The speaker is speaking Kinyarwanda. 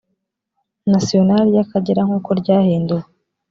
nasiyonali y akagera nk uko ryahinduwe